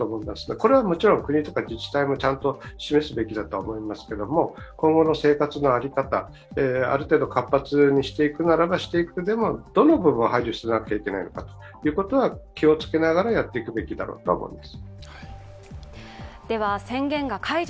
これはもちろん国とか自治体もちゃんと示すべきだと思いますけど今後の生活の仕方、ある程度活発にしていくならしていくにもどの部分を配慮しなければならないかを気をつけながらやっていくべきだと思います。